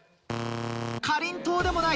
「かりんとう」でもない。